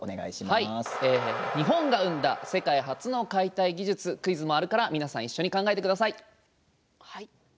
日本が生んだ世界初の解体技術クイズもあるから皆さん一緒に考えてください。